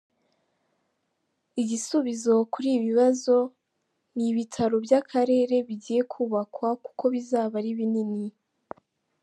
Igisubizo kuri ibi bibazo ni ibitaro by’ akarere bigiye kubakwa kuko bizaba ari binini.